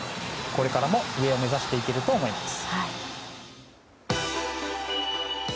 これからも上を目指していけると思います。